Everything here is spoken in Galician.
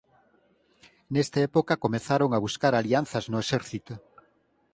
Nesta época comezaron a buscar alianzas no exército.